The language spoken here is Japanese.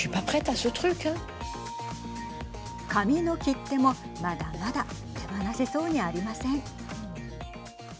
紙の切手もまだまだ手放せそうにありません。